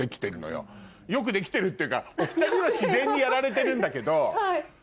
よくできてるっていうかお２人は自然にやられてるんだけど。